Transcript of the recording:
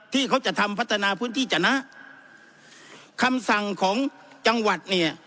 ที่เขาจะทำพัฒนาพื้นที่จนะคำสั่งของจังหวัดเนี่ย